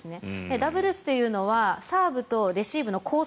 ダブルスというのはサーブとレシーブのコース